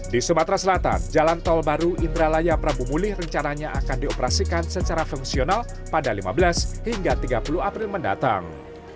di sumatera selatan jalan tol baru indralaya prabu mulih rencananya akan dioperasikan secara fungsional pada lima belas hingga tiga puluh april mendatang